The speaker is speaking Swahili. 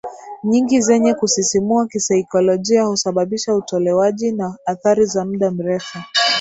nyingi zenye kusisimua kisaikolojia husababisha utolewaji na athari za muda mrefu